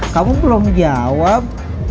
kamu belum jawab